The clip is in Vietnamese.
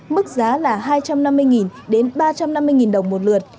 mức giá là hai trăm năm mươi đến ba trăm năm mươi đồng một lượt